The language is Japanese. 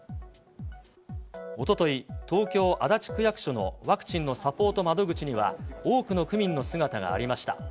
おととい、東京・足立区役所のワクチンのサポート窓口には、多くの区民の姿がありました。